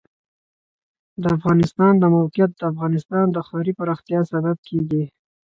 د افغانستان د موقعیت د افغانستان د ښاري پراختیا سبب کېږي.